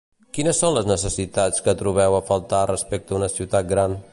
Quines son les necessitats que trobeu a faltar respecte una ciutat gran?